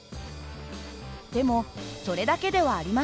でもそれだけではありません。